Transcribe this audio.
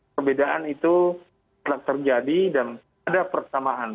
perbedaan itu telah terjadi dan ada persamaan